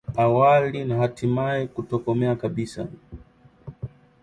awali na hatimaye kutokomea kabisa